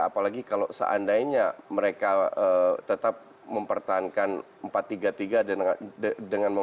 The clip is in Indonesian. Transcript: apalagi kalau seandainya mereka tetap mempertahankan empat tiga tiga dengan memasang alcacer di sayap kiri